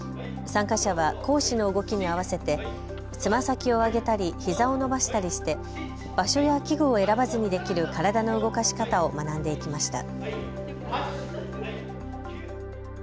参加者は講師の動きに合わせてつま先を上げたりひざを伸ばしたりして場所や器具を選ばずにできる体の動かし方を学んでいきました。